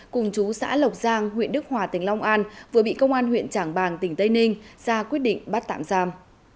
cùng chú xã lộc giang huyện đức hòa tỉnh long an vừa bị công an huyện trảng bàng tỉnh tây ninh ra quyết định bắt tạm giam